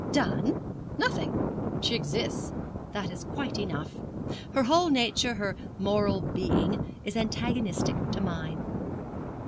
'Done? nothing. She exists, that is quite enough. Her whole nature her moral being is antagonistic to mine.